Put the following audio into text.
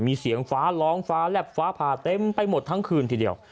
มีเสียงฟ้าร้องฟ้าแลบฟ้าผ่าเต็มไปหมดทั้งคืนทีเดียว